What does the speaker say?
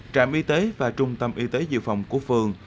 trạm y tế và trung tâm y tế dự phòng của phường